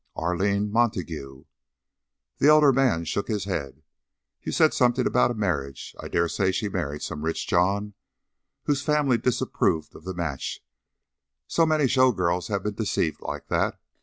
"Arline Montague." The elder man shook his head. "You said something about a marriage. I dare say she married some rich John whose family disapproved of the match so many show girls have been deceived like that.